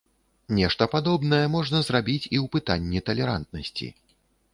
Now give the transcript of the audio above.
Нешта падобнае можна зрабіць і ў пытанні талерантнасці.